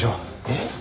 えっ？